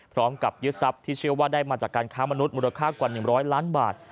พร้อมกับยึดทรัพย์ที่เชื่อว่าได้มาจากการค้ามนุษย์มูลค่ากว่า๑๐๐ล้านบาท